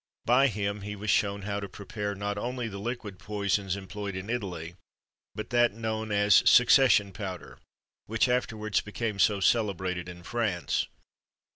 By him he was shewn how to prepare, not only the liquid poisons employed in Italy, but that known as succession powder, which afterwards became so celebrated in France.